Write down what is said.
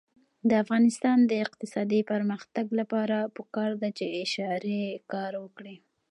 د افغانستان د اقتصادي پرمختګ لپاره پکار ده چې اشارې کار وکړي.